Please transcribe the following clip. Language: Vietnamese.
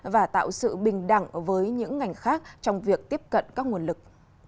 và tạo sự bình đẳng với những ngành khác trong việc tiếp cận các nguồn lực